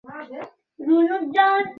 সে সিজদাকারীদের অন্তর্ভুক্ত হতে অস্বীকার করল।